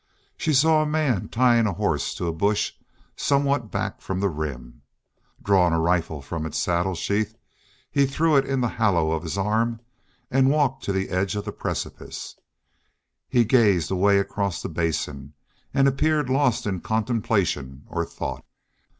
She saw a man tying a horse to a bush somewhat back from the Rim. Drawing a rifle from its saddle sheath he threw it in the hollow of his arm and walked to the edge of the precipice. He gazed away across the Basin and appeared lost in contemplation or thought.